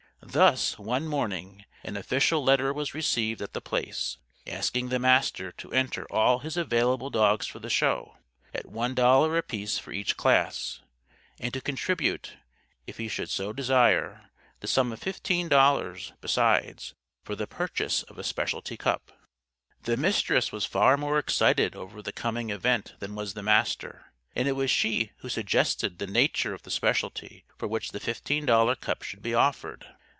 Thus, one morning, an official letter was received at The Place, asking the Master to enter all his available dogs for the Show at one dollar apiece for each class and to contribute, if he should so desire, the sum of fifteen dollars, besides, for the purchase of a Specialty Cup. The Mistress was far more excited over the coming event than was the Master. And it was she who suggested the nature of the Specialty for which the fifteen dollar cup should be offered.